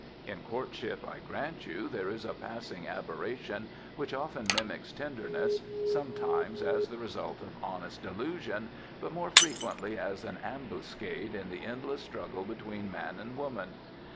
In courtship, I grant you, there is a passing aberration which often mimics tenderness, sometimes as the result of honest delusion, but more frequently as an ambuscade in the endless struggle between man and woman.